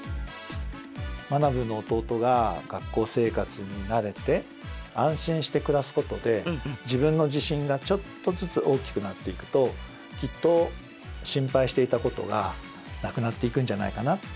まなブーの弟が学校生活に慣れて安心して暮らすことで自分の自信がちょっとずつ大きくなっていくときっと心配していたことがなくなっていくんじゃないかなって思うんだよね。